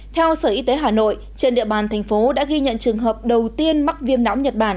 theo sở y tế hà nội trên địa bàn thành phố đã ghi nhận trường hợp đầu tiên mắc viêm não nhật bản